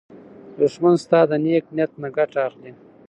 دښمن ستا د نېک نیت نه ګټه اخلي